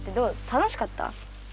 楽しかった？